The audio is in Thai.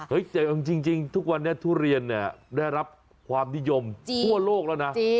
เจอเอาจริงทุกวันนี้ทุเรียนเนี่ยได้รับความนิยมทั่วโลกแล้วนะ